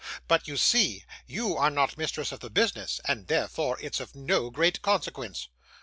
'But, you see, you are not mistress of the business, and therefore it's of no great consequence.